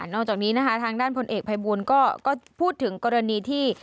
นอกจากนี้นะคะทางด้านพลเอกภัยบูลก็พูดถึงกรณีที่